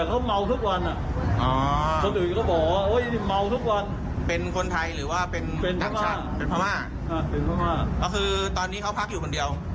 ก็คือตอนนี้เขาพักอยู่คนเดียว